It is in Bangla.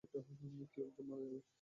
কেউ একজন মারা যাবে।